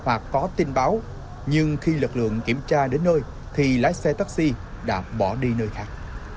anh báo nhưng khi lực lượng kiểm tra đến nơi thì lái xe taxi đã bỏ đi nơi khác